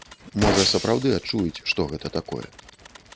Можа, сапраўды адчуюць, што гэта такое.